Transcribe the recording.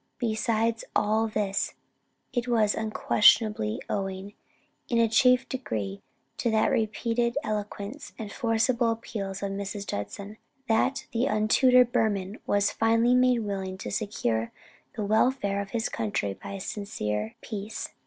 "Besides all this, it was unquestionably owing, in a chief degree, to the repeated eloquence and forcible appeals of Mrs. Judson, that the untutored Burman was finally made willing to secure the welfare of his country by a sincere peace."